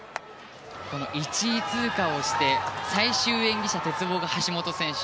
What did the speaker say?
１位通過をして最終演技者が橋本選手。